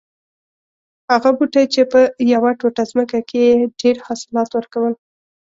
هغه بوټی چې په یوه ټوټه ځمکه کې یې ډېر حاصلات ور کول